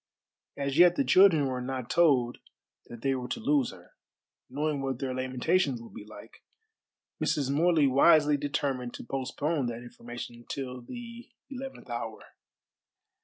As yet the children were not told that they were to lose her. Knowing what their lamentations would be like, Mrs. Morley wisely determined to postpone that information till the eleventh hour.